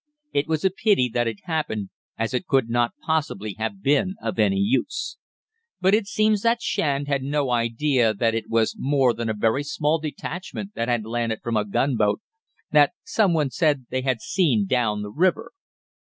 It was a pity that it happened, as it could not possibly have been of any use. But it seems that Shand had no idea that it was more than a very small detachment that had landed from a gun boat that some one said they had seen down the river.